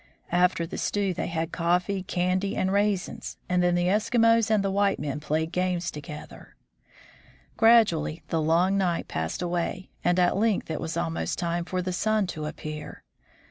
After the stew they had coffee, candy, and raisins, and then the Eskimos and the white men played games together. 138 THE FROZEN NORTH Gradually the long night passed away, and at length it was almost time for the sun to appear.